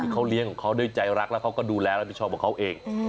เขาเลี้ยงของเขาด้วยใจรักแล้วเขาก็ดูแลรับผิดชอบของเขาเอง